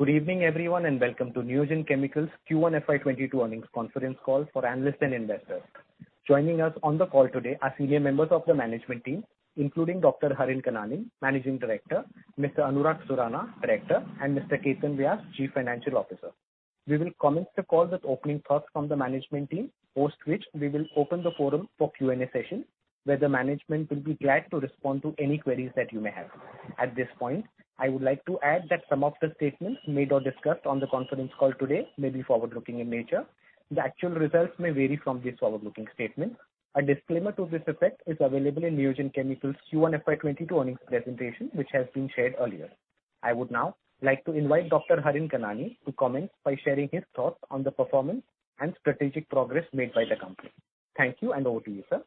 Good evening, everyone, and welcome to Neogen Chemicals Q1 FY 2022 earnings conference call for analysts and investors. Joining us on the call today are senior members of the management team, including Dr. Harin Kanani, Managing Director, Mr. Anurag Surana, Director, and Mr. Ketan Vyas, Chief Financial Officer. We will commence the call with opening thoughts from the management team, post which we will open the forum for Q&A session, where the management will be glad to respond to any queries that you may have. At this point, I would like to add that some of the statements made or discussed on the conference call today may be forward-looking in nature. The actual results may vary from these forward-looking statements. A disclaimer to this effect is available in Neogen Chemicals' Q1 FY 2022 earnings presentation, which has been shared earlier. I would now like to invite Dr. Harin Kanani to commence by sharing his thoughts on the performance and strategic progress made by the company. Thank you, and over to you, sir.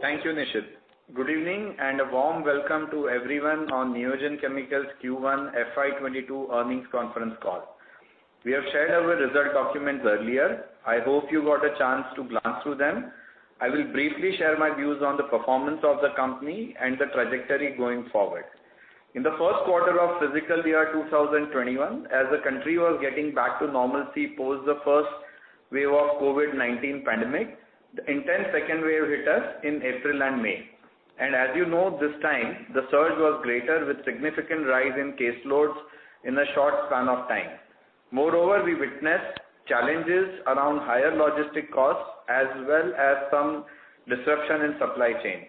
Thank you, Nishid. Good evening, and a warm welcome to everyone on Neogen Chemicals Q1 FY22 earnings conference call. We have shared our result documents earlier. I hope you got a chance to glance through them. I will briefly share my views on the performance of the company and the trajectory going forward. In the 1st quarter of fiscal year 2021, as the country was getting back to normalcy post the 1st wave of COVID-19 pandemic, the intense 2nd wave hit us in April and May. As you know, this time the surge was greater with significant rise in caseloads in a short span of time. Moreover, we witnessed challenges around higher logistic costs as well as some disruption in supply chain.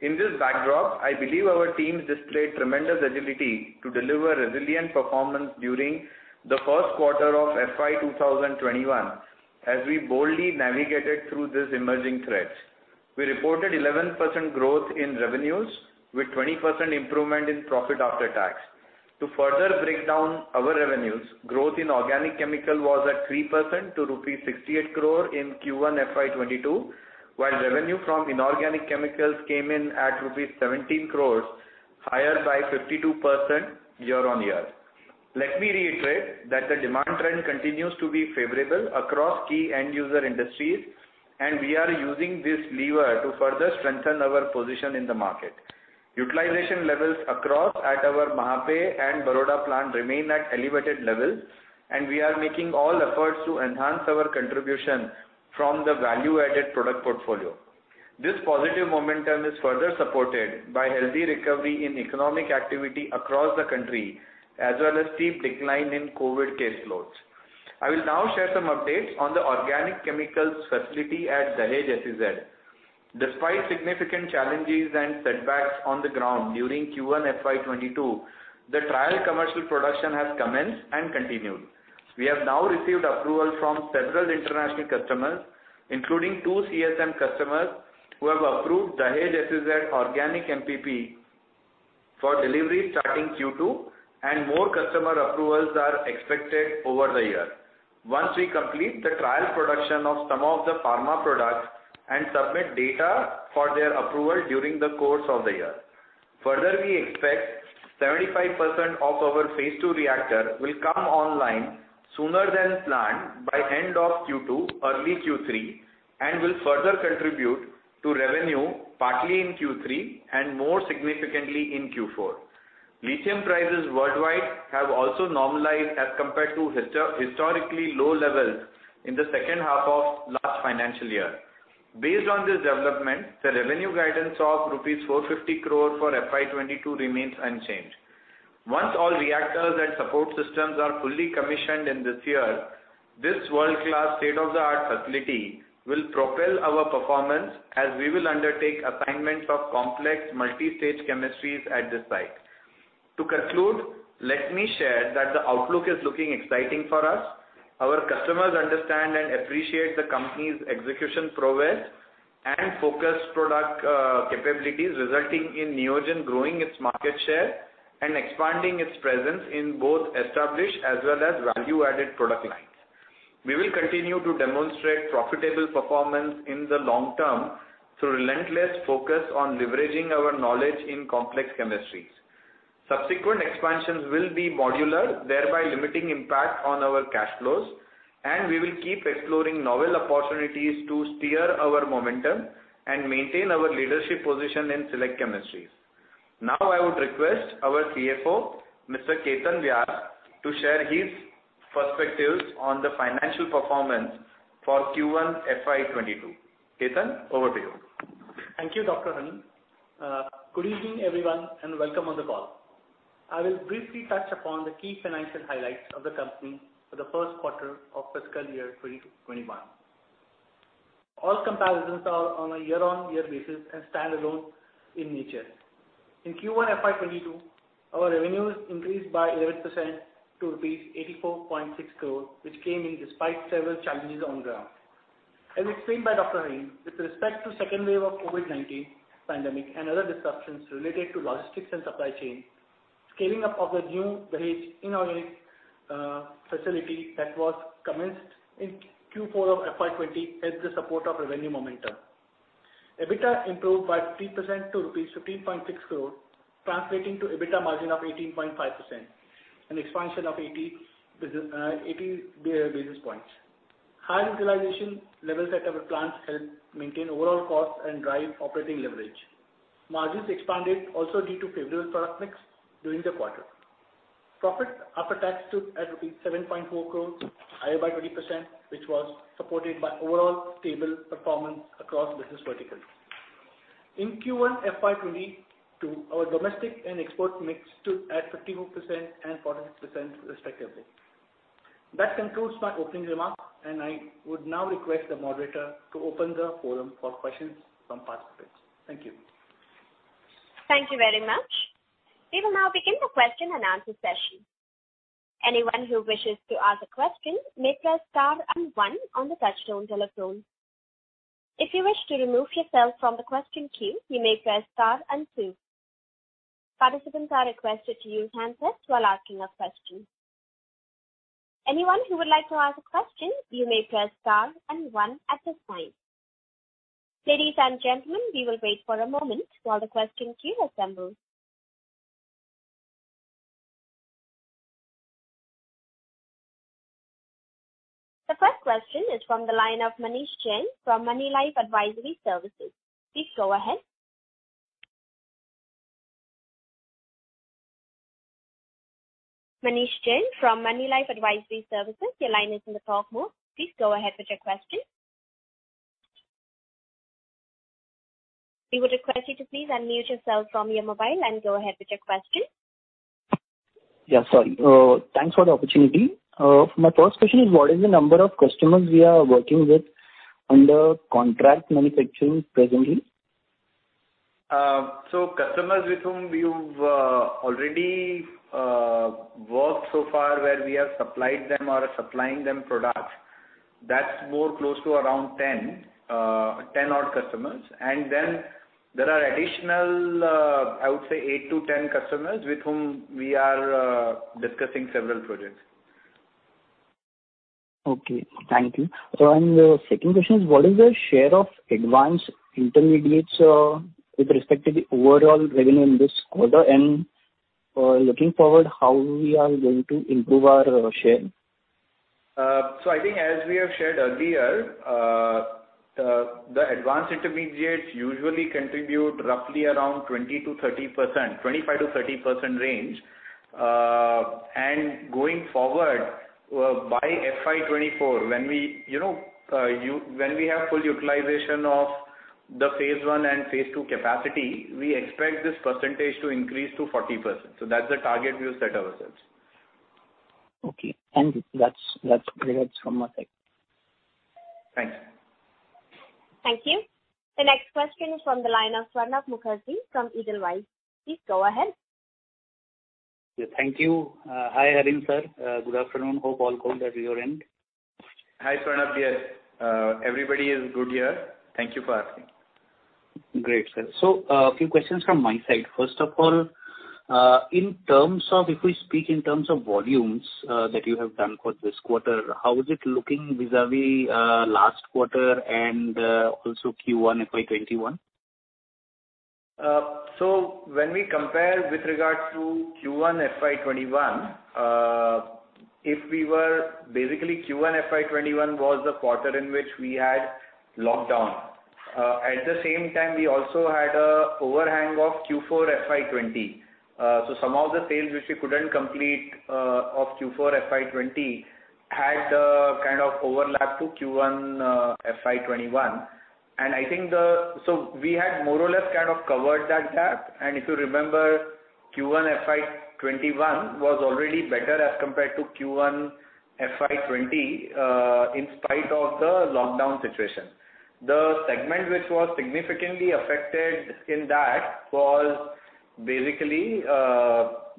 In this backdrop, I believe our team displayed tremendous agility to deliver resilient performance during the first quarter of FY 2021 as we boldly navigated through these emerging threats. We reported 11% growth in revenues with 20% improvement in profit after tax. To further break down our revenues, growth in organic chemical was at 3% to rupees 68 crore in Q1 FY22, while revenue from inorganic chemicals came in at rupees 17 crores, higher by 52% year-on-year. Let me reiterate that the demand trend continues to be favorable across key end user industries, we are using this lever to further strengthen our position in the market. Utilization levels across at our Mahape and Baroda plant remain at elevated levels, we are making all efforts to enhance our contribution from the value-added product portfolio. This positive momentum is further supported by healthy recovery in economic activity across the country, as well as steep decline in COVID-19 caseloads. I will now share some updates on the organic chemicals facility at Dahej SEZ. Despite significant challenges and setbacks on the ground during Q1 FY2022, the trial commercial production has commenced and continued. We have now received approval from several international customers, including 2 CSM customers who have approved Dahej SEZ organic MPP for delivery starting Q2, and more customer approvals are expected over the year once we complete the trial production of some of the pharma products and submit data for their approval during the course of the year. Further, we expect 75% of our phase II reactor will come online sooner than planned by end of Q2, early Q3, and will further contribute to revenue partly in Q3 and more significantly in Q4. Lithium prices worldwide have also normalized as compared to historically low levels in the second half of last financial year. Based on this development, the revenue guidance of rupees 450 crore for FY 2022 remains unchanged. Once all reactors and support systems are fully commissioned in this year, this world-class, state-of-the-art facility will propel our performance as we will undertake assignments of complex multi-stage chemistries at this site. To conclude, let me share that the outlook is looking exciting for us. Our customers understand and appreciate the company's execution prowess and focused product capabilities, resulting in Neogen growing its market share and expanding its presence in both established as well as value-added product lines. We will continue to demonstrate profitable performance in the long term through relentless focus on leveraging our knowledge in complex chemistries. Subsequent expansions will be modular, thereby limiting impact on our cash flows, and we will keep exploring novel opportunities to steer our momentum and maintain our leadership position in select chemistries. Now I would request our CFO, Mr. Ketan Vyas, to share his perspectives on the financial performance for Q1 FY 2022. Ketan, over to you. Thank you, Dr. Harin. Good evening, everyone, and welcome on the call. I will briefly touch upon the key financial highlights of the company for the first quarter of fiscal year 2021. All comparisons are on a year-on-year basis and stand alone in nature. In Q1 FY2022, our revenues increased by 11% to 84.6 crore rupees, which came in despite several challenges on ground. As explained by Dr. Harin, with respect to second wave of COVID-19 pandemic and other disruptions related to logistics and supply chain, scaling up of the new Dahej inorganic facility that was commenced in Q4 of FY 2020, helped the support of revenue momentum. EBITDA improved by 3% to rupees 15.6 crore, translating to EBITDA margin of 18.5%, an expansion of 80 basis points. High utilization levels at our plants help maintain overall cost and drive operating leverage. Margins expanded also due to favorable product mix during the quarter. Profit after tax stood at 7.4 crores, higher by 20%, which was supported by overall stable performance across business verticals. In Q1 FY22, our domestic and export mix stood at 52% and 46% respectively. That concludes my opening remarks, and I would now request the moderator to open the forum for questions from participants. Thank you. Thank you very much. We will now begin the question and answer session. Anyone who wishes to ask a question may press star and one on the touchtone telephone. If you wish to remove yourself from the question queue, you may press star and two. Participants are requested to use handset while asking a question. Anyone who would like to ask a question, you may press star and one at this time. Ladies and gentlemen, we will wait for a moment while the question queue assembles. The first question is from the line of Manish Jain from Moneylife Advisory Services. Please go ahead. Manish Jain from Moneylife Advisory Services, your line is in the talk mode. Please go ahead with your question. We would request you to please unmute yourself from your mobile and go ahead with your question. Yeah, sorry. Thanks for the opportunity. My first question is, what is the number of customers we are working with under contract manufacturing presently? Customers with whom we've already worked so far, where we have supplied them or are supplying them product, that's more close to around 10 odd customers. There are additional, I would say, 8-10 customers with whom we are discussing several projects. Okay. Thank you. The second question is, what is the share of advanced intermediates with respect to the overall revenue in this quarter? Looking forward, how we are going to improve our share? I think as we have shared earlier, the advanced intermediates usually contribute roughly around 20%-30%, 25%-30% range. Going forward, by FY 2024, when we have full utilization of the phase I and phase II capacity, we expect this percentage to increase to 40%. That's the target we've set ourselves. Okay, thank you. That's from my side. Thanks. Thank you. The next question is from the line of Swarnabh Mukherjee from Edelweiss. Please go ahead. Thank you. Hi, Harin, sir. Good afternoon. Hope all calm at your end. Hi, Swarnabh. Yes, everybody is good here. Thank you for asking. Great, sir. A few questions from my side. First of all, if we speak in terms of volumes that you have done for this quarter, how is it looking vis-a-vis last quarter and also Q1 FY 2021? When we compare with regard to Q1 FY21, basically Q1 FY21 was the quarter in which we had lockdown. At the same time, we also had a overhang of Q4 FY20. Some of the sales which we couldn't complete of Q4 FY20 had a kind of overlap to Q1 FY21. We had more or less kind of covered that gap. If you remember, Q1 FY21 was already better as compared to Q1 FY20, in spite of the lockdown situation. The segment which was significantly affected in that was basically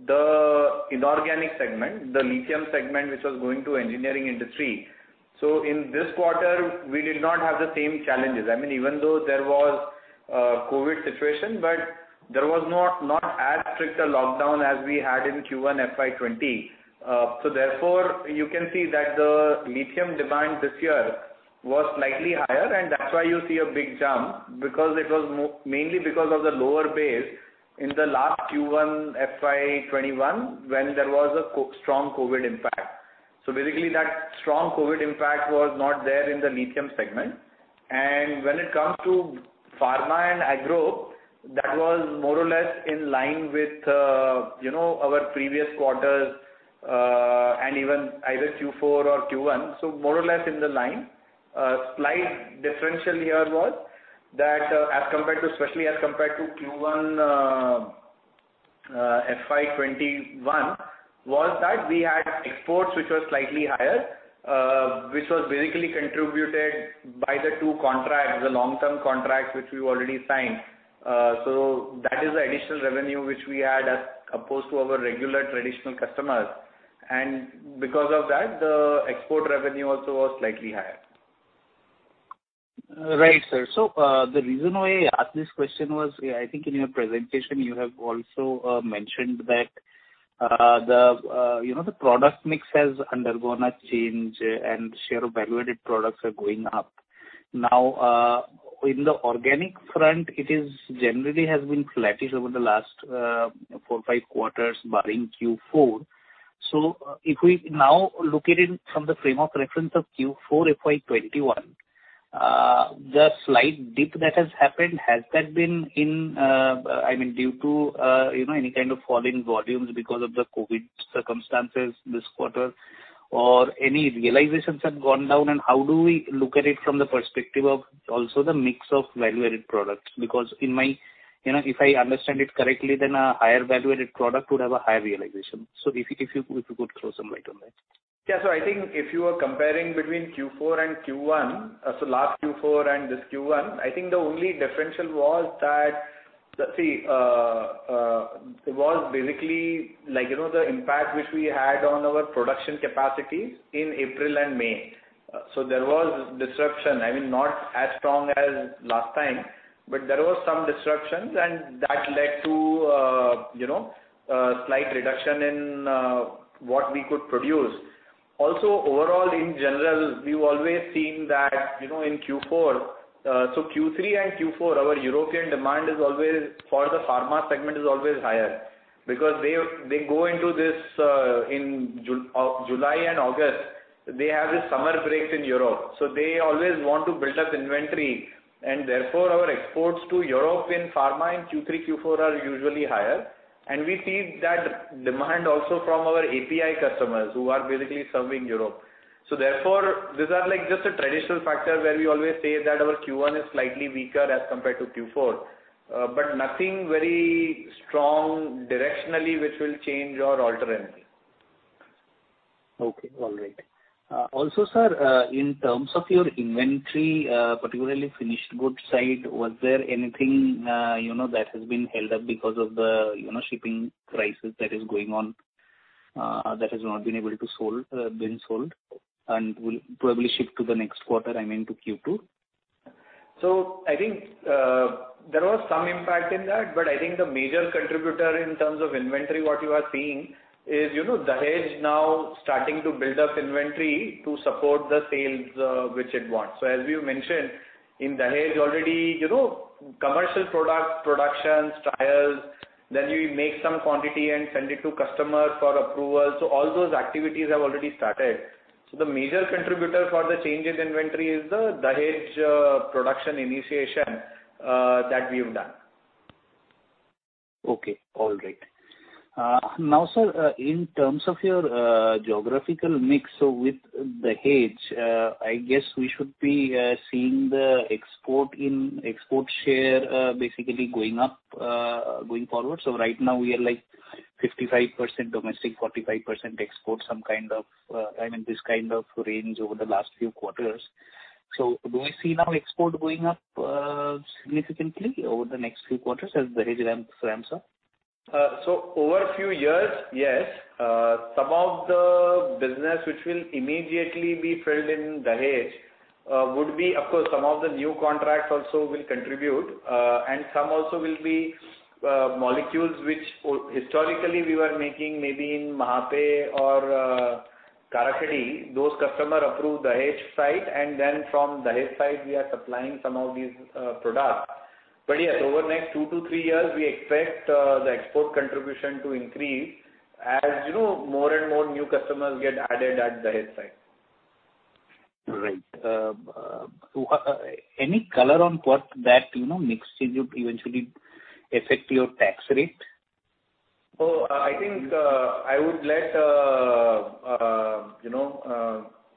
the inorganic segment, the lithium segment, which was going to engineering industry. In this quarter, we did not have the same challenges. Even though there was a COVID situation, but there was not as strict a lockdown as we had in Q1 FY20. You can see that the lithium demand this year was slightly higher, and that's why you see a biggest jump, mainly because of the lower base in the last Q1 FY 2021, when there was a strong COVID-19 impact. That strong COVID-19 impact was not there in the lithium segment. When it come to Pharma and agro, that was more or less in line with our previous quarters, and even either Q4 or Q1. More or less in the line. A slight differential here was that, especially as compared to Q1 FY 2021, was that we had exports which were slightly higher, which was basically contributed by the two contracts, the long-term contracts which we already signed. That is why initial revenue which we had a post to our regular traditional customers and because of that, the export revenue also was slightly higher. Right, sir. The reason why I asked this question was, I think in your presentation, you have also mentioned that the product mix has undergone a change and share of value-added products are going up. Now, in the organic front, it generally has been flat over the last four or five quarters, barring Q4. If we now look at it from the frame of reference of Q4 FY 2021, the slight dip that has happened, has that been due to any kind of fall in volumes because of the COVID-19 circumstances this quarter, or any realizations have gone down? How do we look at it from the perspective of also the mix of value-added products? If I understand it correctly, then a higher value-added product would have a higher realization. If you could throw some light on that. I think if you are comparing between Q4 and Q1, last Q4 and this Q1, I think the only differential was basically the impact which we had on our production capacities in April and May. There was disruption, not as strong as last time, but there were some disruptions, and that led to a slight reduction in what we could produce. Overall, in general, we've always seen that in Q3 and Q4, our European demand for the pharma segment is always higher, because in July and August, they have this summer break in Europe, so they always want to build up inventory. Our exports to Europe in pharma in Q3, Q4 are usually higher. We see that demand also from our API customers who are basically serving Europe. Therefore, these are just traditional factors where we always say that our Q1 is slightly weaker as compared to Q4. Nothing very strong directionally which will change or alter anything. Okay. All right. Also, sir, in terms of your inventory, particularly finished goods side, was there anything that has been held up because of the shipping crisis that is going on, that has not been able to been sold and will probably ship to the next quarter, I mean, to Q2? I think there was some impact in that, but I think the major contributor in terms of inventory, what you are seeing is Dahej now starting to build up inventory to support the sales which it wants. As we've mentioned, in Dahej already, commercial product, productions, trials, then we make some quantity and send it to customers for approval. All those activities have already started. The major contributor for the change in inventory is the Dahej production initiation that we have done. Okay. All right. Now, sir, in terms of your geographical mix with Dahej, I guess we should be seeing the export share basically going up, going forward. Right now we are like 55% domestic, 45% export, this kind of range over the last few quarters. Do we see now export going up significantly over the next few quarters as Dahej ramps up? Over a few years, yes. Some of the business which will immediately be filled in Dahej, of course, some of the new contracts also will contribute, and some also will be molecules which historically we were making maybe in Mahape or Karakhadi. Those customer approve Dahej site, then from Dahej site, we are supplying some of these products. Yes, over the next 2 -3 years, we expect the export contribution to increase as more and more new customers get added at Dahej site. Right. Any color on what that mix will eventually affect your tax rate? I think I would let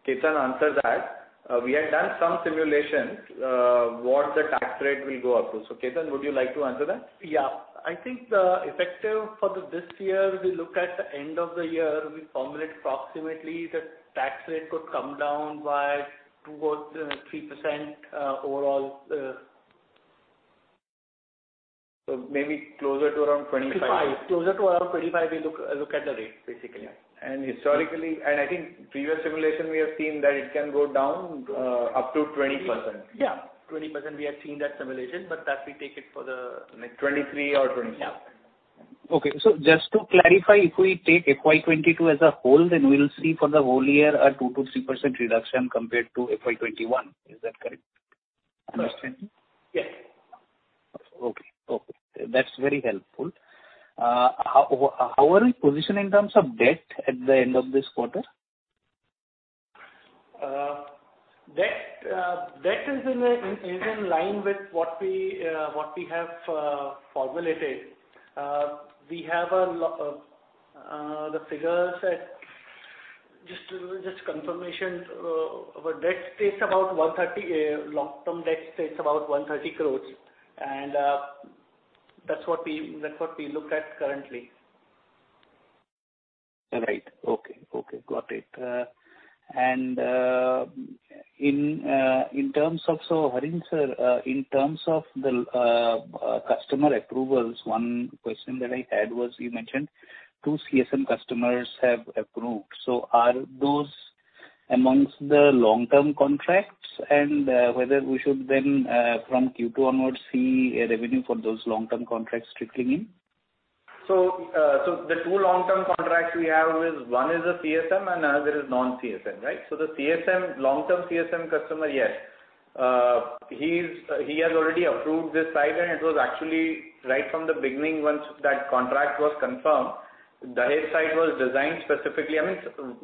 Ketan answer that. We had done some simulations, what the tax rate will go up to. Ketan, would you like to answer that? Yeah. I think the effective for this year, we look at the end of the year, we formulate approximately the tax rate could come down by 2% or 3% overall. maybe closer to around 25. Closer to around 25, we look at the rate, basically. I think previous simulation, we have seen that it can go down up to 20%. Yeah, 20%, we have seen that simulation. 23% or 24%. Yeah. Okay. Just to clarify, if we take FY 2022 as a whole, then we'll see for the whole year a 2%-3% reduction compared to FY 2021. Is that correct? Am I understanding? Yes. Okay. That's very helpful. How are we positioned in terms of debt at the end of this quarter? Debt is in line with what we have formulated. The figures at, just confirmation, our long-term debt stays about 130 crores, and that's what we look at currently. All right. Okay. Got it. Harin sir, in terms of the customer approvals, one question that I had was you mentioned two CSM customers have approved. Are those amongst the long-term contracts? Whether we should then, from Q2 onwards, see a revenue for those long-term contracts trickling in? The two long-term contracts we have is one is a CSM and another is non-CSM, right? The long-term CSM customer, yes. He has already approved this site, and it was actually right from the beginning, once that contract was confirmed, Dahej site was designed specifically. I mean,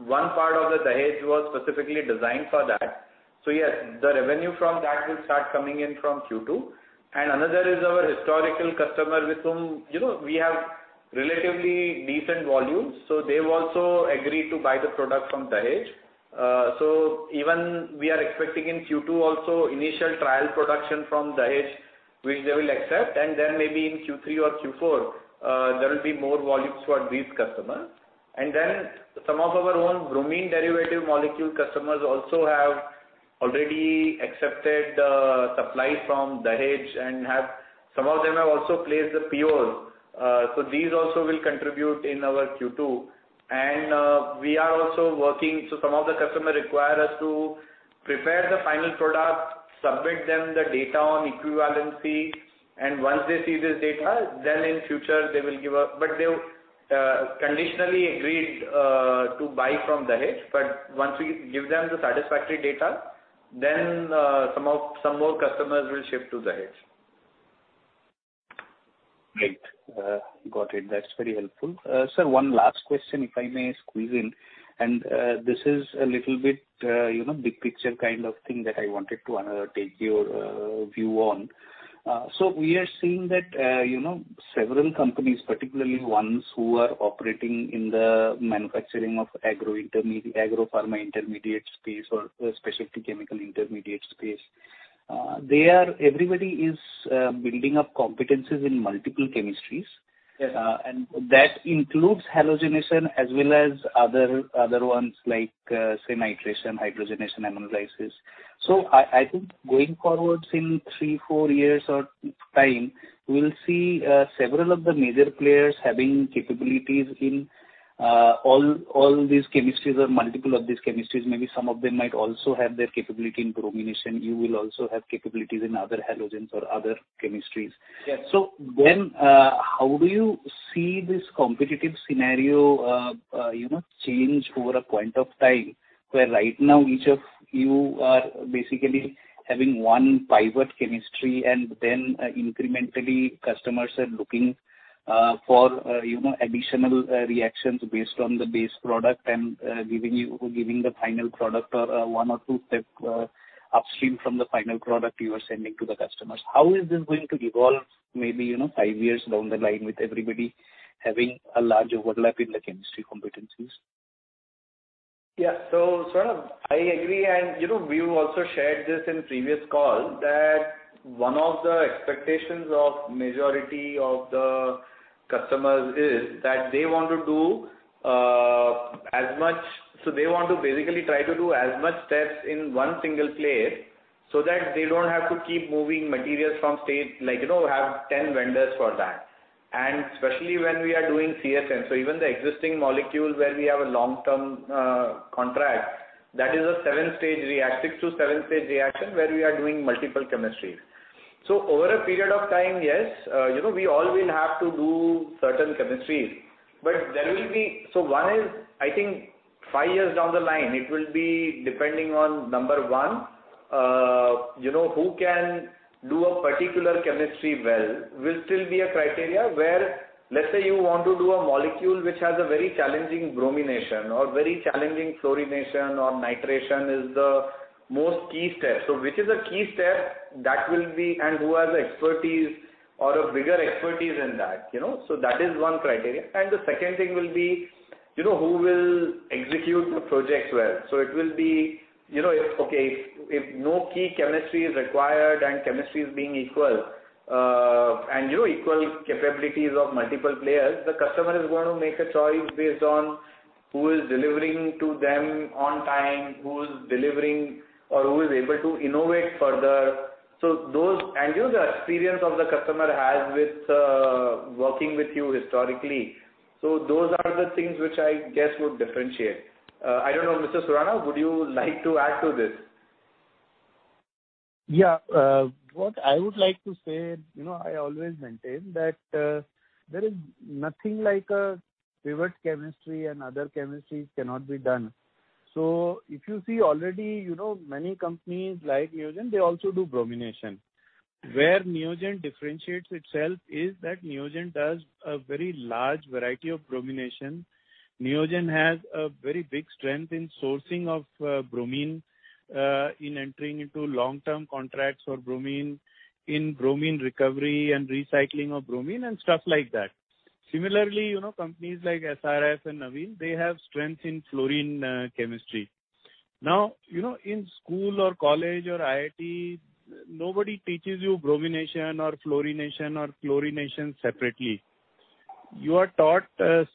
one part of the Dahej was specifically designed for that. Yes, the revenue from that will start coming in from Q2. Another is our historical customer with whom we have relatively decent volumes. They've also agreed to buy the product from Dahej. Even we are expecting in Q2 also initial trial production from Dahej, which they will accept, and then maybe in Q3 or Q4, there will be more volumes for these customers. Then some of our own bromine derivative molecule customers also have already accepted the supply from Dahej and some of them have also placed the POs. These also will contribute in our Q2. We are also working, so some of the customers require us to prepare the final product, submit them the data on equivalency, and once they see this data, then in future they will give us. They've conditionally agreed to buy from Dahej. Once we give them the satisfactory data, then some more customers will shift to Dahej. Great. Got it. That is very helpful. Sir, one last question, if I may squeeze in. This is a little bit big picture kind of thing that I wanted to take your view on. We are seeing that several companies, particularly ones who are operating in the manufacturing of agro-pharma intermediate space or specific chemical intermediate space. Everybody is building up competencies in multiple chemistries. Yes. That includes halogenation as well as other ones like, say, nitration, hydrogenation, ammonolysis. I think going forward in 3, 4 years or time, we'll see several of the major players having capabilities in all these chemistries or multiple of these chemistries. Maybe some of them might also have their capability in bromination. You will also have capabilities in other halogens or other chemistries. Yes. How do you see this competitive scenario change over a point of time, where right now each of you are basically having one pivot chemistry and then incrementally customers are looking for additional reactions based on the base product and giving the final product or one or two step upstream from the final product you are sending to the customers? How is this going to evolve maybe five years down the line with everybody having a large overlap in the chemistry competencies? I agree, and we've also shared this in previous call that one of the expectations of majority of the customers is that they want to basically try to do as much steps in one single place so that they don't have to keep moving materials from state, like have 10 vendors for that. Especially when we are doing CSM. Even the existing molecules where we have a long-term contract, that is a six to seven-stage reaction where we are doing multiple chemistries. Over a period of time, yes, we all will have to do certain chemistries. I think 5 years down the line, it will be depending on number 1, who can do a particular chemistry well, will still be a criteria where, let's say you want to do a molecule which has a very challenging bromination or very challenging fluorination or nitration is the most key step. Which is a key step and who has expertise or a bigger expertise in that. That is 1 criteria. The second thing will be who will execute the project well. It will be, if no key chemistry is required and chemistry is being equal, and equal capabilities of multiple players, the customer is going to make a choice based on who is delivering to them on time, who's delivering or who is able to innovate further. The experience of the customer has with working with you historically. Those are the things which I guess would differentiate. I don't know, Mr. Surana, would you like to add to this? What I would like to say, I always maintain that there is nothing like a pivot chemistry and other chemistries cannot be done. If you see already many companies like Neogen, they also do bromination. Where Neogen differentiates itself is that Neogen does a very large variety of bromination. Neogen has a very big strength in sourcing of bromine, in entering into long-term contracts for bromine, in bromine recovery and recycling of bromine and stuff like that. Similarly, companies like SRF and Navin Fluorine, they have strength in fluorine chemistry. In school or college or IIT, nobody teaches you bromination or fluorination or chlorination separately. You are taught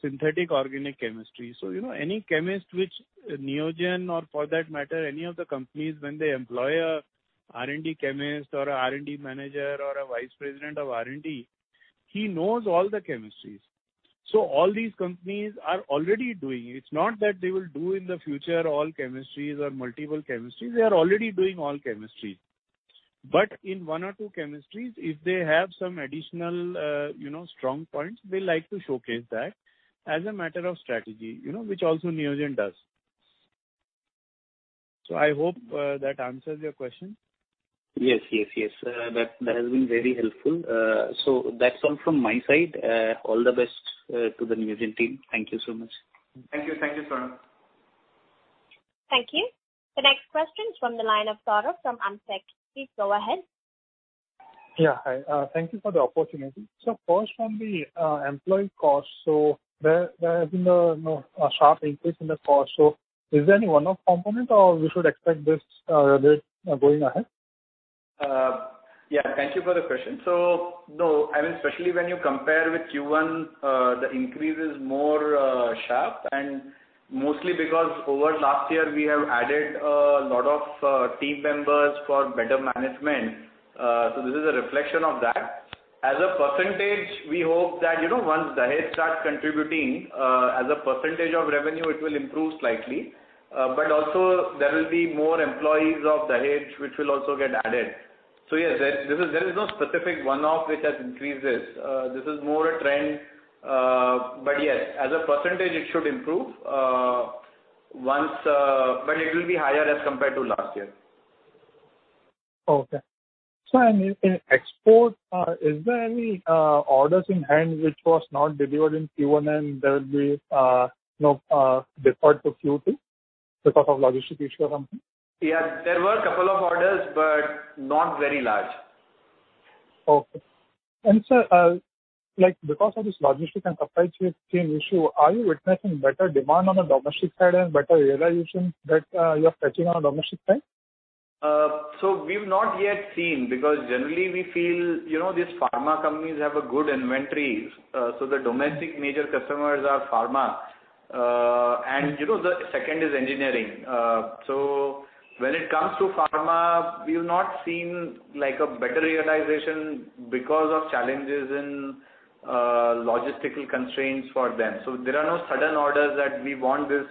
synthetic organic chemistry. Any chemist which Neogen or for that matter any of the companies, when they employ a R&D Chemist or a R&D Manager or a Vice President of R&D, he knows all the chemistries. All these companies are already doing it. It's not that they will do in the future all chemistries or multiple chemistries. They are already doing all chemistries. In one or two chemistries, if they have some additional strong points, we like to showcase that as a matter of strategy which also Neogen does. I hope that answers your question. Yes. That has been very helpful. That's all from my side. All the best to the Neogen team. Thank you so much. Thank you, Swarnabh. Thank you. The next question is from the line of Tarun from AMSEC. Please go ahead. Yeah. Hi. Thank you for the opportunity. First from the employee cost. There has been a sharp increase in the cost. Is there any one-off component, or we should expect this rate going ahead? Thank you for the question. No, especially when you compare with Q1, the increase is more sharp, and mostly because over last year we have added a lot of team members for better management. This is a reflection of that. As a percentage, we hope that once Dahej starts contributing as a percentage of revenue, it will improve slightly. Also there will be more employees of Dahej which will also get added. Yes, there is no specific one-off which has increased this. This is more a trend. Yes, as a percentage, it should improve. It will be higher as compared to last year. Okay. Sir, in export, is there any orders in hand which was not delivered in Q1, and there will be deferred to Q2 because of logistic issue or something? Yeah, there were a couple of orders, but not very large. Okay. Sir, because of this logistic and supply chain issue, are you witnessing better demand on the domestic side and better realization that you are fetching on domestic side? We've not yet seen, because generally we feel these pharma companies have a good inventory. The domestic major customers are pharma. The second is engineering. When it comes to pharma, we've not seen a better realization because of challenges in logistical constraints for them. There are no sudden orders that we want this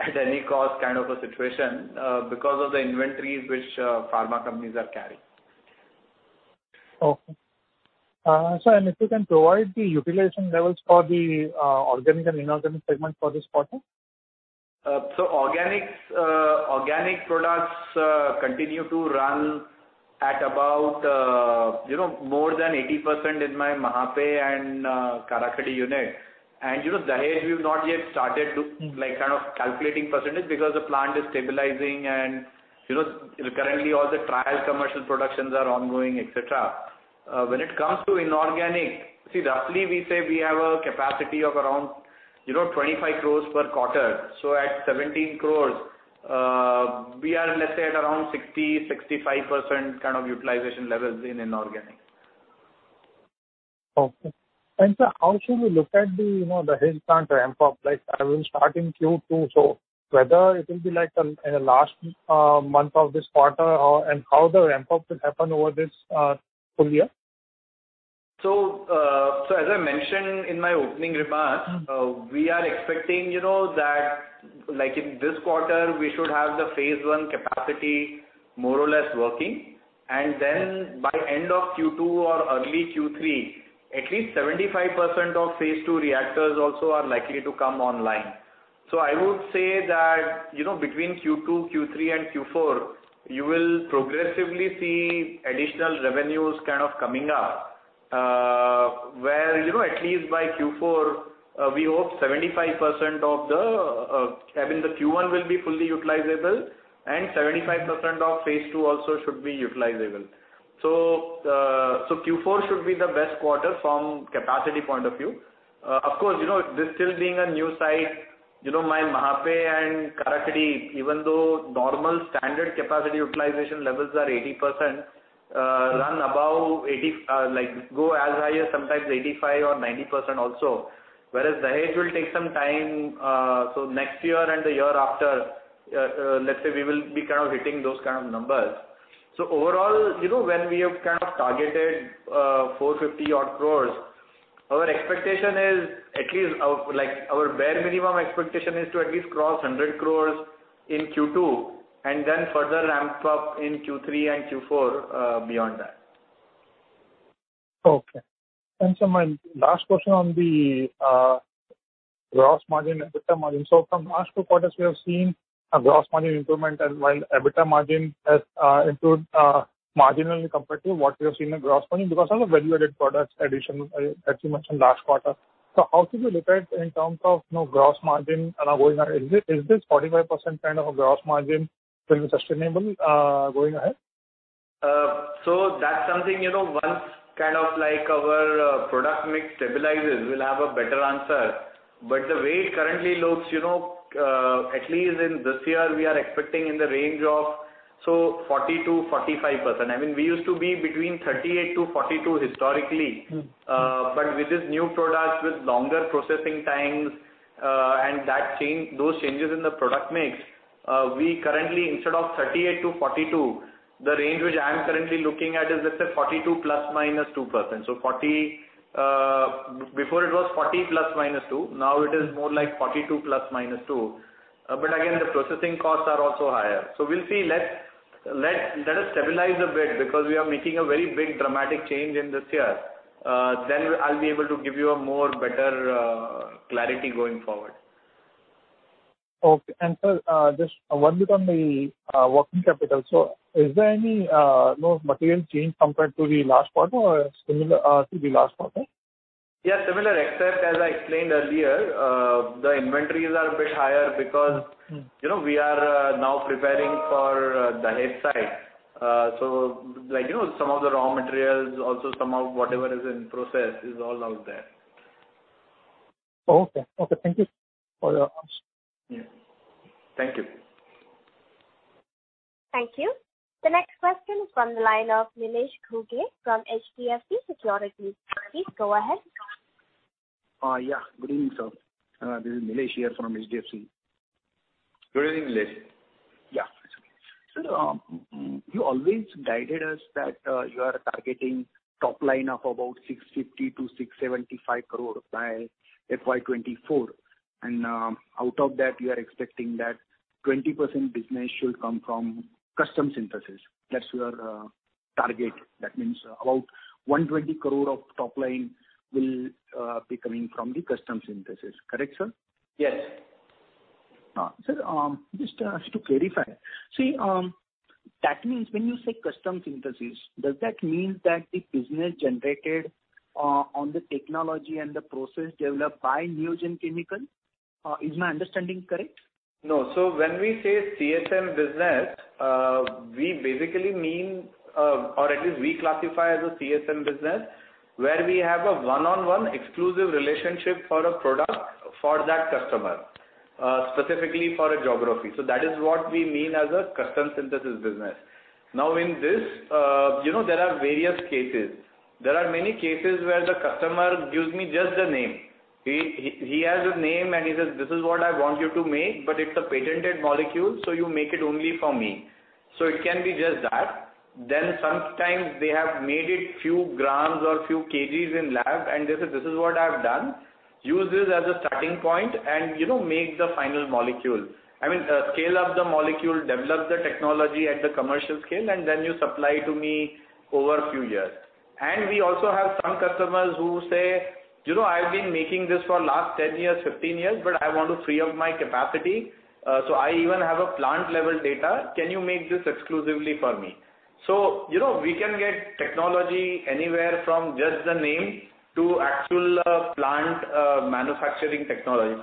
at any cost kind of a situation because of the inventories which pharma companies are carrying. Okay. Sir. If you can provide the utilization levels for the organic and inorganic segment for this quarter? Organic products continue to run at about more than 80% in my Mahape and Karakhadi unit. Dahej, we've not yet started to kind of calculating percentage because the plant is stabilizing and currently all the trial commercial productions are ongoing, et cetera. When it comes to inorganic, see, roughly we say we have a capacity of around 25 crores per quarter. At 17 crores, we are let's say at around 60%-65% kind of utilization levels in inorganic. Okay. Sir, how should we look at the Dahej plant ramp-up? Like it will start in Q2, whether it will be in the last month of this quarter, how the ramp-up will happen over this full year? As I mentioned in my opening remarks, we are expecting that in this quarter, we should have the phase I capacity more or less working. By end of Q2 or early Q3, at least 75% of phase II reactors also are likely to come online. I would say that between Q2, Q3, and Q4, you will progressively see additional revenues kind of coming up, where at least by Q4, we hope 75% of the I mean the Q1 will be fully utilizable, and 75% of phase II also should be utilizable. Q4 should be the best quarter from capacity point of view. Of course, this still being a new site, my Mahape and Karakhadi, even though normal standard capacity utilization levels are 80%, run above 80%, go as high as sometimes 85% or 90% also. Whereas Dahej will take some time. Next year and the year after, let's say we will be kind of hitting those kind of numbers. Overall, when we have kind of targeted 450 odd crore, our bare minimum expectation is to at least cross 100 crore in Q2, and then further ramp up in Q3 and Q4 beyond that. Okay. Sir, my last question on the gross margin, EBITDA margin. From last two quarters, we have seen a gross margin improvement and while EBITDA margin has improved marginally compared to what we have seen in gross margin because of the value-added products addition, as you mentioned last quarter. How should we look at in terms of gross margin going ahead? Is this 45% kind of a gross margin will be sustainable going ahead? That's something once our product mix stabilizes, we'll have a better answer. The way it currently looks, at least in this year, we are expecting in the range of 40%-45%. I mean, we used to be between 38%-42% historically. With these new products, with longer processing times, and those changes in the product mix, we currently instead of 38%-42%, the range which I'm currently looking at is let's say 42 ± 2%. Before it was 40 ± 2%. Now it is more like 42 ± 2%. Again, the processing costs are also higher. We'll see. Let us stabilize a bit because we are making a very big dramatic change in this year. I'll be able to give you a more better clarity going forward. Okay. Sir, just one bit on the working capital. Is there any material change compared to the last quarter or similar to the last quarter? Yeah, similar, except as I explained earlier, the inventories are a bit higher because. We are now preparing for the Dahej site. Some of the raw materials, also some of whatever is in process is all out there. Okay. Thank you for your answer. Yeah. Thank you. Thank you. The next question is from the line of Nilesh Ghuge from HDFC Securities. Please go ahead. Yeah. Good evening, sir. This is Nilesh here from HDFC. Good evening, Nilesh. Yeah. Sir, you always guided us that you are targeting top line of about 650 crore-675 crore by FY 2024. Out of that, you are expecting that 20% business should come from custom synthesis. That's your target. That means about 120 crore of top line will be coming from the custom synthesis. Correct, sir? Yes. Sir, just to clarify. That means when you say custom synthesis, does that mean that the business generated on the technology and the process developed by Neogen Chemicals? Is my understanding correct? No. When we say CSM business, we basically mean, or at least we classify as a CSM business, where we have a one-on-one exclusive relationship for a product for that customer, specifically for a geography. That is what we mean as a custom synthesis business. In this, there are various cases. There are many cases where the customer gives me just the name. He has a name and he says, "This is what I want you to make, but it's a patented molecule, so you make it only for me." It can be just that. Sometimes they have made it few grams or few kgs in lab, and they say, "This is what I've done. Use this as a starting point and make the final molecule." I mean, scale up the molecule, develop the technology at the commercial scale, and then you supply to me over a few years. We also have some customers who say, "I've been making this for last 10 years, 15 years, but I want to free up my capacity. I even have a plant-level data. Can you make this exclusively for me?" We can get technology anywhere from just the name to actual plant manufacturing technology.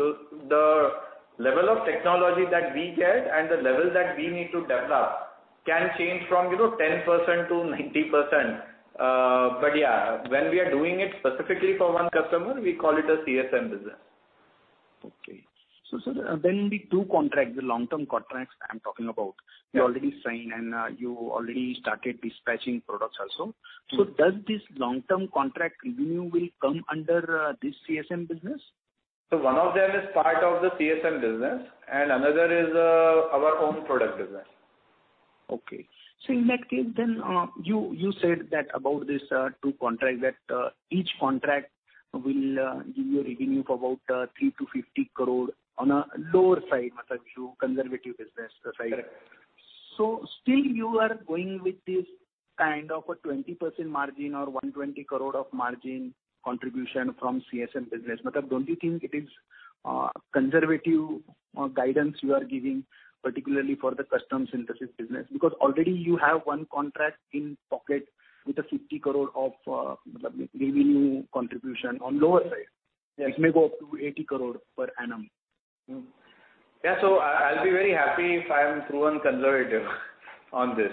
The level of technology that we get and the level that we need to develop can change from 10% to 90%. Yeah, when we are doing it specifically for one customer, we call it a CSM business. Okay. sir, the two contracts, the long-term contracts I'm talking about. Yeah You already signed and you already started dispatching products also. Does this long-term contract revenue will come under this CSM business? One of them is part of the CSM business, and another is our own product business. Okay. In that case then, you said that about this two contract, that each contract will give you a revenue of about 3 crore-50 crore on a lower side, if you conservative business side. Correct. Still you are going with this kind of a 20% margin or 120 crore of margin contribution from CSM business. Don't you think it is conservative guidance you are giving, particularly for the custom synthesis business? Already you have one contract in pocket with a 50 crore of revenue contribution on lower side. Yes. It may go up to 80 crore per annum. I'll be very happy if I am proven conservative on this.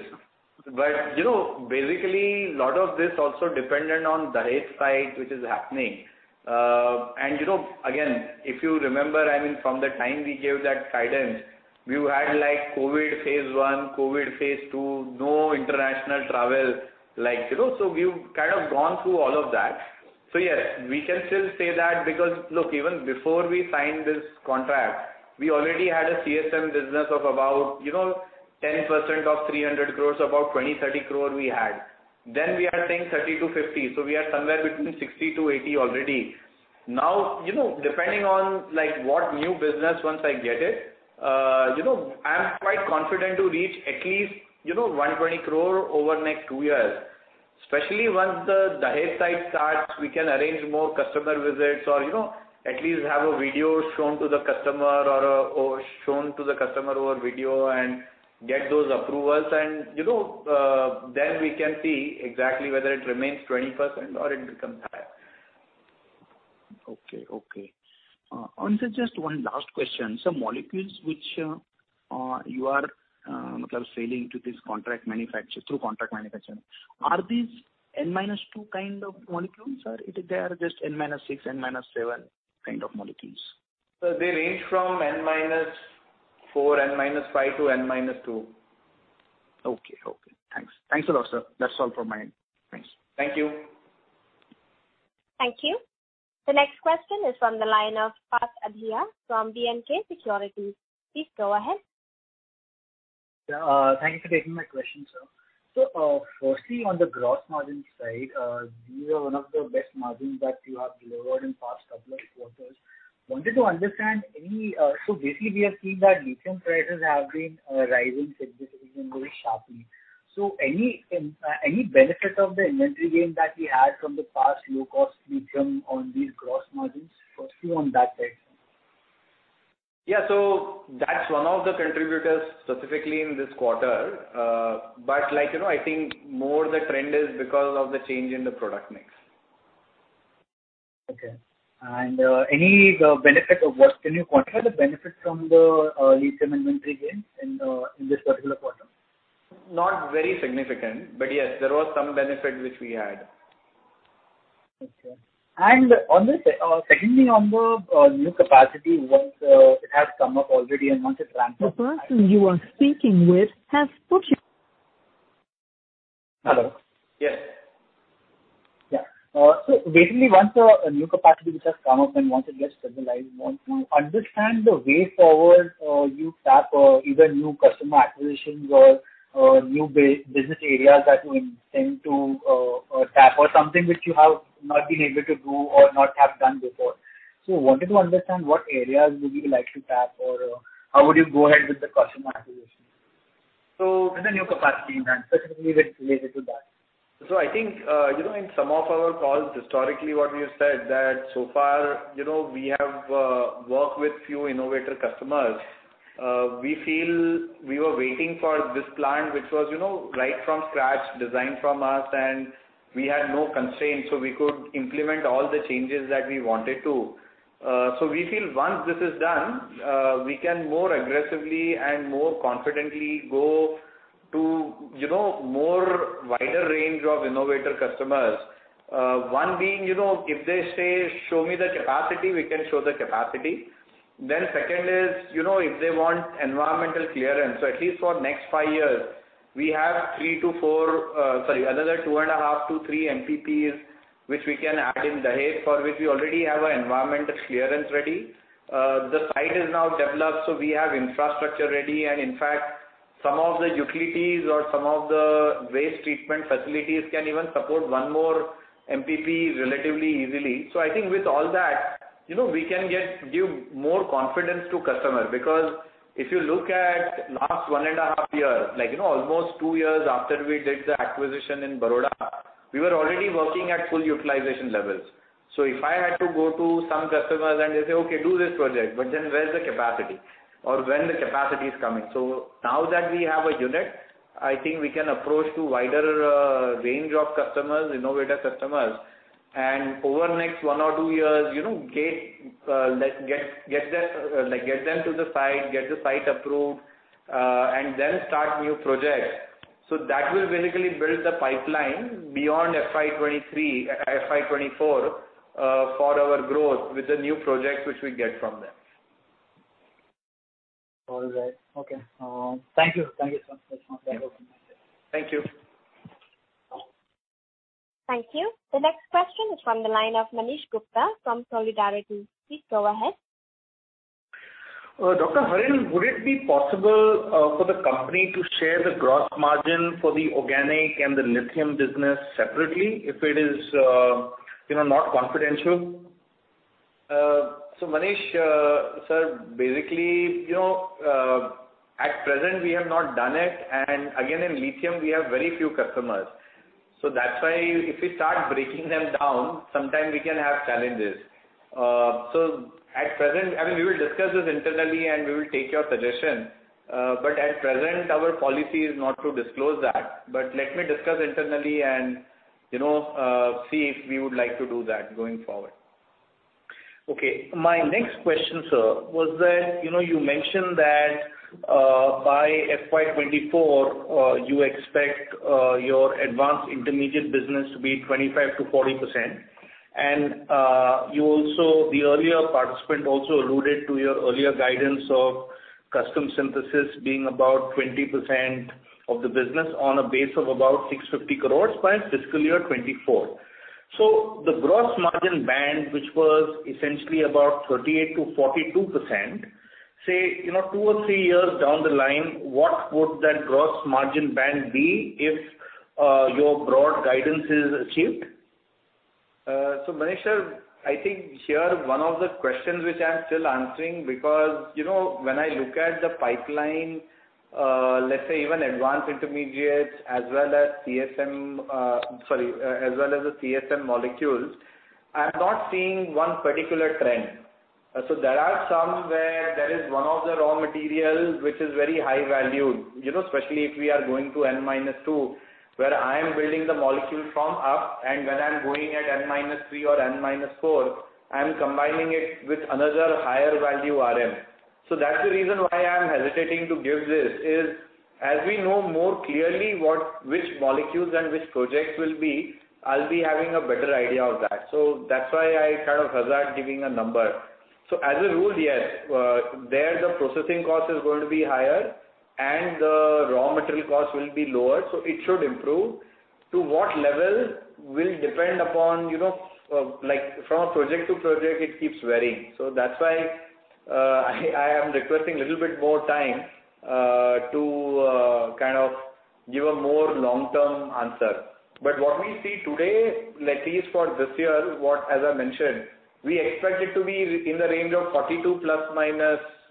Basically, lot of this also dependent on the Dahej site which is happening. Again, if you remember, I mean, from the time we gave that guidance, we had COVID phase I, COVID phase II, no international travel. We've kind of gone through all of that. Yes, we can still say that because look, even before we signed this contract, we already had a CSM business of about 10% of 300 crore, about 20 crore, 30 crore we had. We are saying 30 crore to 50 crore. We are somewhere between 60 crore to 80 crore already. Now, depending on what new business once I get it, I'm quite confident to reach at least 120 crore over next two years. Especially once the Dahej site starts, we can arrange more customer visits or at least have a video shown to the customer or shown to the customer over video and get those approvals, we can see exactly whether it remains 20% or it becomes higher. Okay. Sir, just one last question. Sir, molecules which you are selling through contract manufacturing, are these N minus 2 kind of molecules, or they are just N minus 6, N minus 7 kind of molecules? Sir, they range from N minus 4, N minus 5 to N minus 2. Okay. Thanks. Thanks a lot, sir. That's all from my end. Thanks. Thank you. Thank you. The next question is from the line of Parth Adhiya from B&K Securities. Please go ahead. Yeah. Thank you for taking my question, sir. firstly, on the gross margin side, these are one of the biggest margins that you have delivered in past couple of quarters. basically, we have seen that lithium prices have been rising significantly, sharply. any benefit of the inventory gain that we had from the past low-cost lithium on these gross margins? Firstly, on that side. Yeah. That's one of the contributors specifically in this quarter. I think more the trend is because of the change in the product mix. Okay. Can you quantify the benefit from the lithium inventory gains in this particular quarter? Not very significant, but yes, there was some benefit which we had. Okay. Secondly, on the new capacity, once it has come up already and once it's ramped up- The person you are speaking with has put you- Hello. Yes. Basically, once a new capacity, which has come up and once it gets stabilized, want to understand the way forward you tap either new customer acquisitions or new business areas that you intend to tap or something which you have not been able to do or not have done before. Wanted to understand what areas would you like to tap or how would you go ahead with the customer acquisition, with the new capacity and specifically related to that? I think, in some of our calls, historically, what we have said that so far, we have worked with few innovator customers. We feel we were waiting for this plant, which was right from scratch, designed from us, and we had no constraints, so we could implement all the changes that we wanted to. We feel once this is done, we can more aggressively and more confidently go to more wider range of innovator customers. One being, if they say, "Show me the capacity," we can show the capacity. Second is, if they want environmental clearance, at least for next five years, we have 3-4 Sorry, another 2.5-3 MPPs which we can add in Dahej, for which we already have our environmental clearance ready. The site is now developed, so we have infrastructure ready and in fact, some of the utilities or some of the waste treatment facilities can even support one more MPP relatively easily. I think with all that, we can give more confidence to customer because if you look at last one and a half years, almost 2 years after we did the acquisition in Baroda, we were already working at full utilization levels. If I had to go to some customers and they say, "Okay, do this project," where's the capacity? When the capacity is coming? Now that we have a unit, I think we can approach to wider range of customers, innovator customers. Over the next 1 or 2 years, get them to the site, get the site approved, and then start new projects. That will basically build the pipeline beyond FY 2023, FY 2024, for our growth with the new project which we get from them. All right. Okay. Thank you. Thank you. Thank you. The next question is from the line of Manish Gupta from Solidarity. Please go ahead. Dr. Harin, would it be possible for the company to share the gross margin for the organic and the lithium business separately if it is not confidential? Manish, sir, basically, at present, we have not done it and again in lithium, we have very few customers. That's why if we start breaking them down, sometime we can have challenges. I mean, we will discuss this internally and we will take your suggestion, but at present, our policy is not to disclose that. Let me discuss internally and see if we would like to do that going forward. Okay. My next question, sir, was that you mentioned that by FY 2024, you expect your advanced intermediate business to be 25%-40%. The earlier participant also alluded to your earlier guidance of custom synthesis being about 20% of the business on a base of about 650 crores by fiscal year 2024. The gross margin band, which was essentially about 38%-42%, say, two or three years down the line, what would that gross margin band be if your broad guidance is achieved? Manish, sir, I think here, one of the questions which I'm still answering because when I look at the pipeline, let's say even advanced intermediates as well as CSM molecules, I'm not seeing one particular trend. There are some where there is one of the raw materials which is very high value. Especially if we are going to N minus 2, where I am building the molecule from up and when I'm going at N minus 3 or N minus 4, I'm combining it with another higher value RM. That's the reason why I'm hesitating to give this is, as we know more clearly which molecules and which projects will be, I'll be having a better idea of that. That's why I kind of hazard giving a number. As a rule, yes, there the processing cost is going to be higher and the raw material cost will be lower, so it should improve. To what level will depend upon, from project to project, it keeps varying. That's why I am requesting a little bit more time to give a more long-term answer. What we see today, at least for this year, as I mentioned, we expect it to be in the range of 42%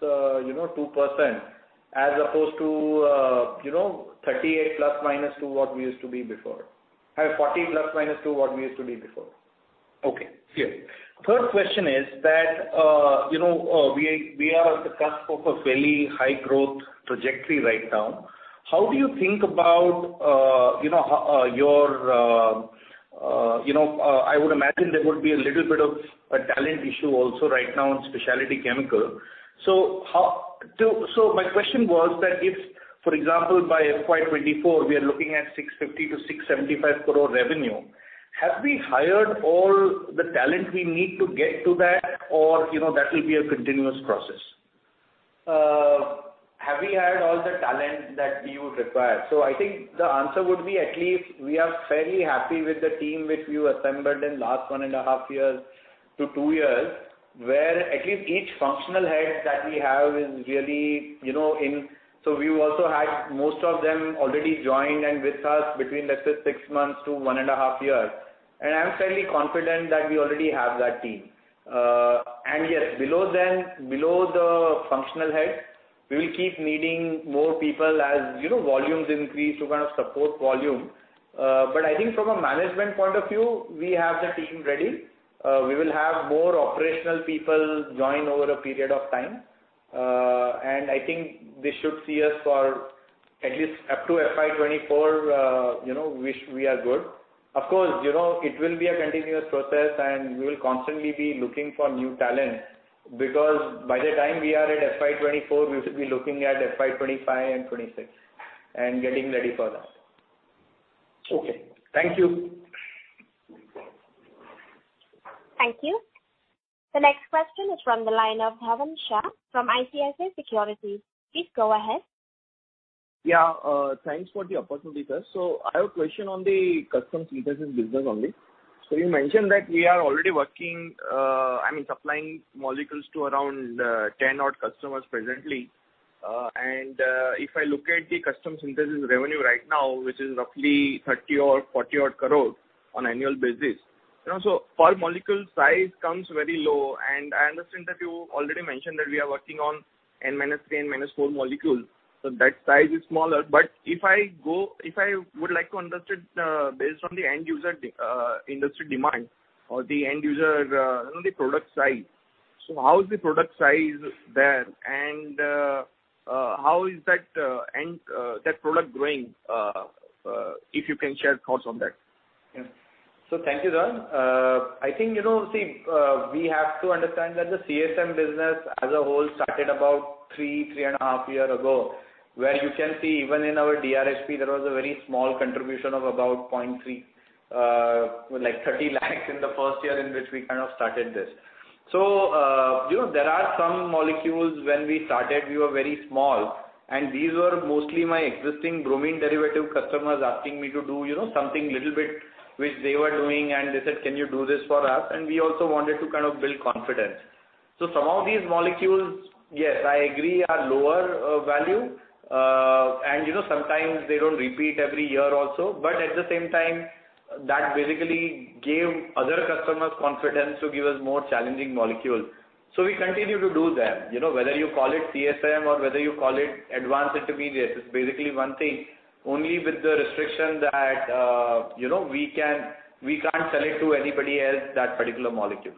± 2%, as opposed to 38% ± 2%, what we used to be before. 40% ± 2% what we used to be before. Okay. Yes. Third question is that we are at the cusp of a fairly high growth trajectory right now. How do you think about your I would imagine there would be a little bit of a talent issue also right now in specialty chemical. My question was that if, for example, by FY 2024, we are looking at 650 crore-675 crore revenue, have we hired all the talent we need to get to that? That will be a continuous process? Have we hired all the talent that we would require? I think the answer would be, at least, we are fairly happy with the team which we assembled in last 1.5 years to 2 years, where at least each functional head that we have. We also had most of them already joined and with us between, let's say, 6 months to 1.5 years. I'm fairly confident that we already have that team. Yes, below the functional head, we will keep needing more people as volumes increase to support volume. I think from a management point of view, we have the team ready. We will have more operational people join over a period of time. I think this should see us for at least up to FY 2024, we are good. Of course, it will be a continuous process, and we will constantly be looking for new talent, because by the time we are at FY 2024, we should be looking at FY 2025 and 2026 and getting ready for that. Okay. Thank you. Thank you. The next question is from the line of Dhavan Shah from ICICI Securities. Please go ahead. Yeah, thanks for the opportunity, sir. I have a question on the custom synthesis business only. You mentioned that we are already working, I mean, supplying molecules to around 10 odd customers presently. If I look at the custom synthesis revenue right now, which is roughly 30 or 40 odd crores on annual basis. Per molecule size comes very low, and I understand that you already mentioned that we are working on N minus three, N minus four molecule. That size is smaller. If I would like to understand, based on the end user industry demand or the end user, the product size. How is the product size there, and how is that product growing, if you can share thoughts on that? Thank you, Dhavan. I think, see, we have to understand that the CSM business as a whole started about three and a half year ago, where you can see even in our DRHP, there was a very small contribution of about 0.3, like 30 lakhs in the first year in which we kind of started this. There are some molecules when we started, we were very small, and these were mostly my existing bromine derivative customers asking me to do something little bit which they were doing, and they said, "Can you do this for us?" We also wanted to build confidence. Some of these molecules, yes, I agree, are lower value. Sometimes they don't repeat every year also. At the same time, that basically gave other customers confidence to give us more challenging molecules. We continue to do that. Whether you call it CSM or whether you call it advanced intermediate, it's basically one thing. Only with the restriction that we can't sell it to anybody else, that particular molecule.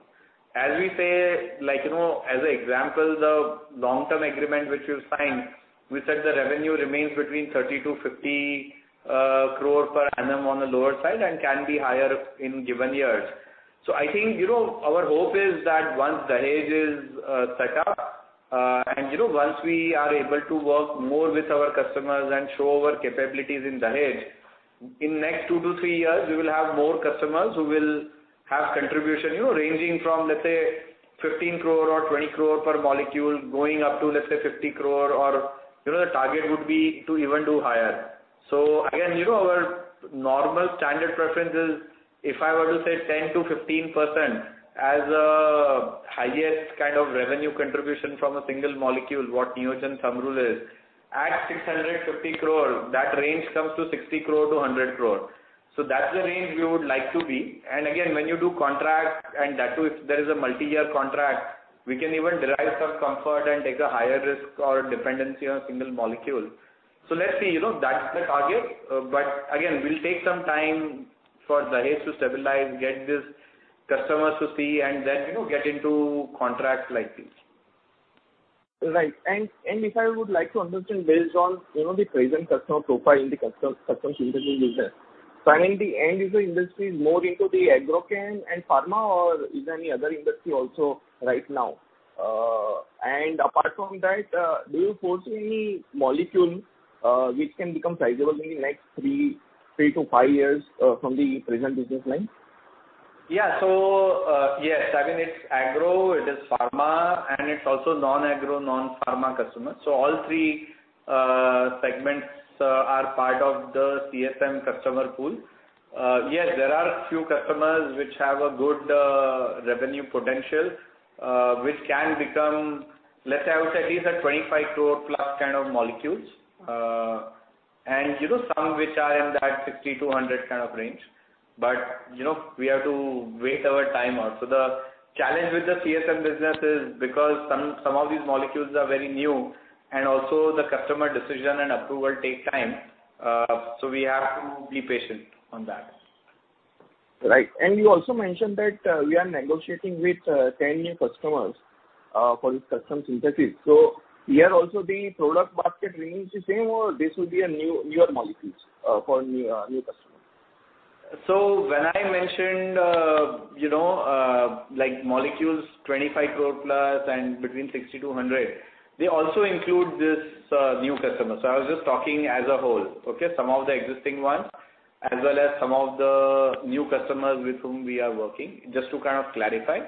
As we say, as an example, the long-term agreement which we've signed, we said the revenue remains between 30 crore-50 crore per annum on the lower side and can be higher in given years. I think, our hope is that once Dahej is set up, and once we are able to work more with our customers and show our capabilities in Dahej, in next 2-3 years, we will have more customers who will have contribution ranging from, let's say, 15 crore or 20 crore per molecule going up to, let's say, 50 crore or the target would be to even do higher. Again, our normal standard preference is, if I were to say 10%-15% as a highest kind of revenue contribution from a single molecule, what Neogen thumb rule is. At 650 crore, that range comes to 60 crore-100 crore. Again, when you do contract and that too, if there is a multi-year contract, we can even derive some comfort and take a higher risk or dependency on a single molecule. Let's see. That's the target. Again, we'll take some time for Dahej to stabilize, get these customers to see, and then get into contracts like this. Right. If I would like to understand based on the present customer profile in the custom synthesis business, finally the end user industry more into the agrochem and pharma or is there any other industry also right now? Apart from that, do you foresee any molecule which can become sizable in the next 3-5 years from the present business line? Yes, it's agro, it is pharma, and it's also non-agro, non-pharma customers. All three segments are part of the CSM customer pool. Yes, there are a few customers which have a good revenue potential, which can become, let's say, at least a 25 crore plus kind of molecules. Some which are in that 60-100 crore kind of range. We have to wait our time out. The challenge with the CSM business is because some of these molecules are very new, and also the customer decision and approval take time, so we have to be patient on that. Right. You also mentioned that we are negotiating with 10 new customers for this custom synthesis. Here also the product market remains the same, or this will be a newer molecules for new customers? When I mentioned molecules 25 crore plus and between 60-100, they also include this new customer. I was just talking as a whole. Okay. Some of the existing ones, as well as some of the new customers with whom we are working, just to kind of clarify.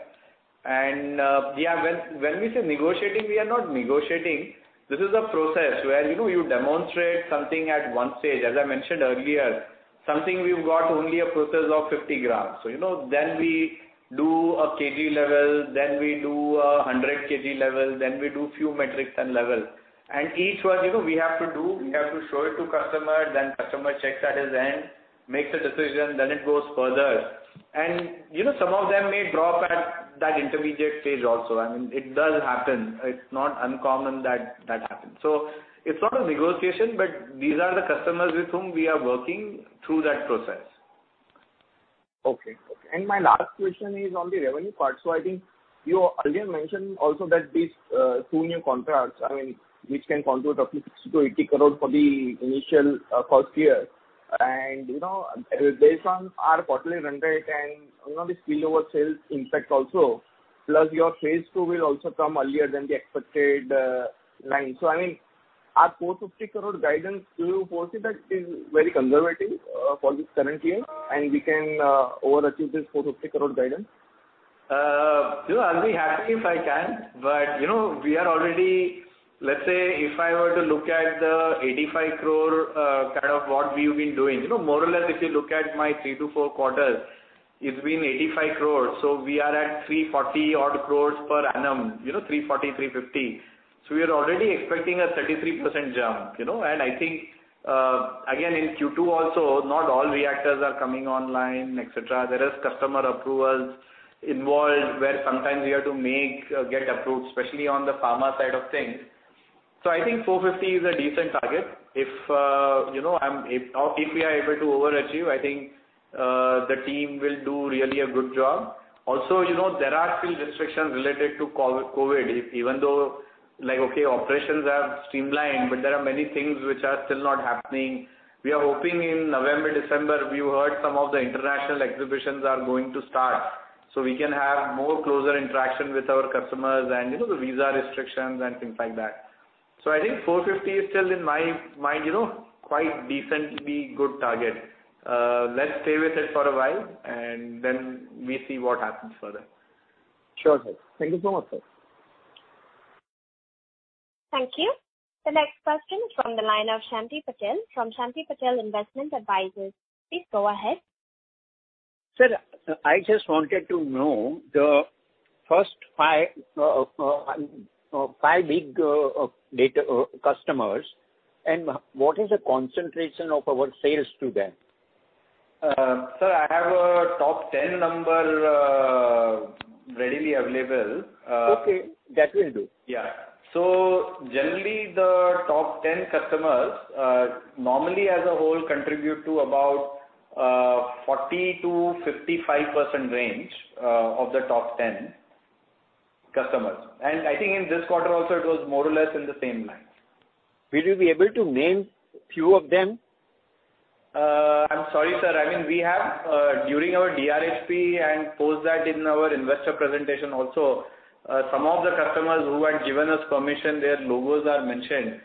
When we say negotiating, we are not negotiating. This is a process where you demonstrate something at stage one. As I mentioned earlier, something we've got only a process of 50g. Then we do a kg level, then we do 100kg level, then we do few metric ton level. Each one, we have to show it to customer, then customer checks at his end, makes a decision, then it goes further. Some of them may drop at that intermediate stage also. It does happen. It's not uncommon that happens. It's not a negotiation, but these are the customers with whom we are working through that process. Okay. My last question is on the revenue part. I think you earlier mentioned also that these two new contracts, which can convert roughly 60-80 crore for the initial first year. Based on our quarterly run rate and this spillover sales impact also, plus your phase II will also come earlier than the expected length. Our 450 crore guidance, do you foresee that is very conservative for this current year, and we can overachieve this 450 crore guidance? I'll be happy if I can, but we are already, let's say if I were to look at the 85 crore, kind of what we've been doing. More or less, if you look at my 3-4 quarters, it's been 85 crore, so we are at 340 odd crore per annum, 340-350. We are already expecting a 33% jump. I think, again, in Q2 also, not all reactors are coming online, et cetera. There is customer approvals involved, where sometimes we have to make get approved, especially on the pharma side of things. I think 450 is a decent target. If we are able to overachieve, I think the team will do really a good job. Also, there are still restrictions related to COVID-19. Even though operations have streamlined, but there are many things which are still not happening. We are hoping in November, December, we heard some of the international exhibitions are going to start, so we can have more closer interaction with our customers and the visa restrictions and things like that. I think 450 is still in my mind quite decently good target. Let's stay with it for a while and then we see what happens further. Sure, sir. Thank you so much, sir. Thank you. The next question is from the line of Shanti Patel from Shanti Patel Investment Advisors. Please go ahead. Sir, I just wanted to know the first five biggest customers, and what is the concentration of our sales to them? Sir, I have a top 10 number readily available. Okay, that will do. Yeah. Generally, the top 10 customers normally as a whole contribute to about 40%-55% range of the top 10 customers. I think in this quarter also, it was more or less in the same lines. Will you be able to name a few of them? I'm sorry, sir. We have during our DRHP and post that in our investor presentation also. Some of the customers who had given us permission, their logos are mentioned.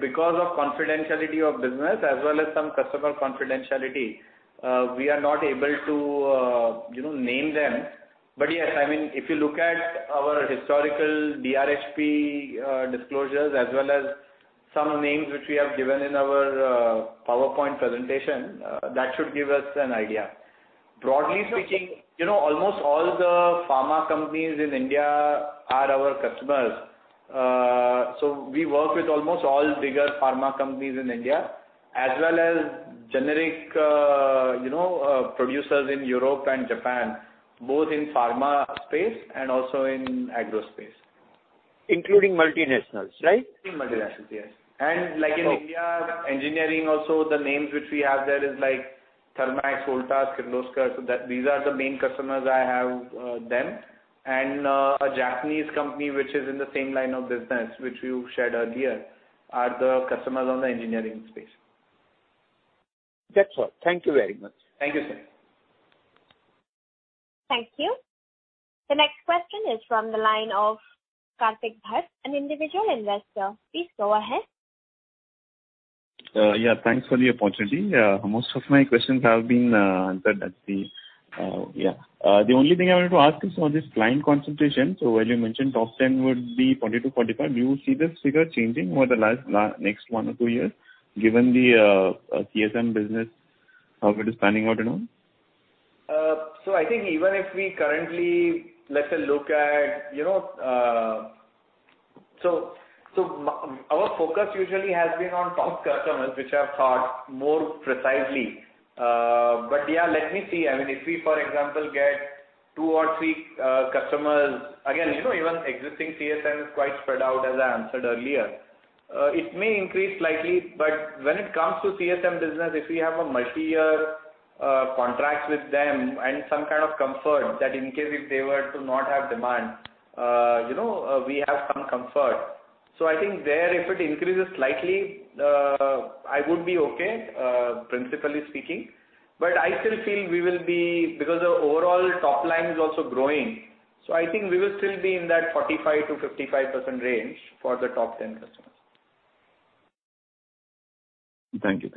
Because of confidentiality of business as well as some customer confidentiality, we are not able to name them. Yes, if you look at our historical DRHP disclosures as well as some names which we have given in our PowerPoint presentation, that should give us an idea. Broadly speaking, almost all the pharma companies in India are our customers. We work with almost all biggest pharma companies in India as well as generic producers in Europe and Japan, both in pharma space and also in agro space. Including multinationals, right? Including multinationals, yes. Like in India, engineering also, the names which we have there is Thermax, Voltas, Kirloskar. These are the main customers I have them. A Japanese company which is in the same line of business, which we've shared earlier, are the customers on the engineering space. That's all. Thank you very much. Thank you, sir. Thank you. The next question is from the line of Kartik Bhatt, an individual investor. Please go ahead. Yeah, thanks for the opportunity. Most of my questions have been answered. The only thing I wanted to ask is on this client concentration. While you mentioned top 10 would be 40%-45%, do you see this figure changing over the next one or two years given the CSM business, how it is panning out now? I think even if we currently, let's say, look at our focus usually has been on top customers, which have carved more precisely. Yeah, let me see. If we, for example, get two or three customers. Even existing CSM is quite spread out as I answered earlier. It may increase slightly, when it comes to CSM business, if we have a multi-year contract with them and some kind of comfort that in case if they were to not have demand, we have some comfort. I think there, if it increases slightly, I would be okay, principally speaking. I still feel we will be, because the overall top line is also growing, I think we will still be in that 45%-55% range for the top 10 customers. Thank you.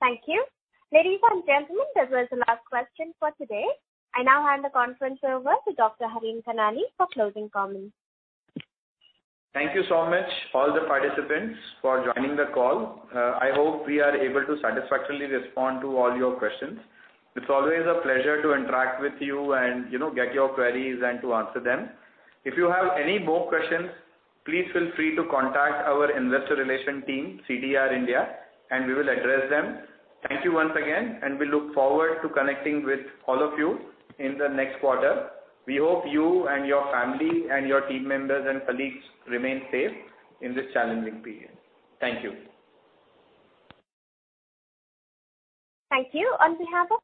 Thank you. Ladies and gentlemen, that was the last question for today. I now hand the conference over to Dr. Harin Kanani for closing comments. Thank you so much all the participants for joining the call. I hope we are able to satisfactorily respond to all your questions. It's always a pleasure to interact with you and get your queries and to answer them. If you have any more questions, please feel free to contact our investor relation team, CDR India, and we will address them. Thank you once again, and we look forward to connecting with all of you in the next quarter. We hope you and your family and your team members and colleagues remain safe in this challenging period. Thank you. Thank you on behalf of.